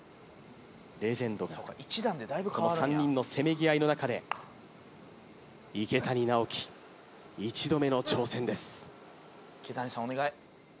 レジェンドとこの３人のせめぎ合いの中で池谷直樹一度目の挑戦です